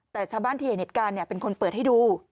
แต่ชาวบ้านที่ในเน็ตการเป็นคนเปิดให้ดู